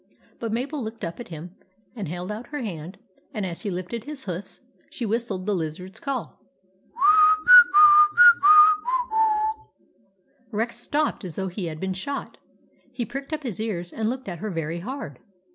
But Mabel looked up at him and held out her hand, and as he lifted his hoofs she whistled the Lizard's call. 1 j p j h — n~ h Rex stopped as though he had been shot. He pricked up his ears and looked at her very hard.